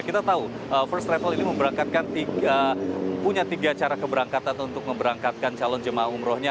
kita tahu first travel ini memberangkatkan punya tiga cara keberangkatan untuk memberangkatkan calon jemaah umrohnya